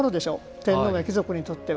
天皇や貴族にとっては。